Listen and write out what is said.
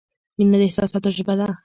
• مینه د احساساتو ژبه ده.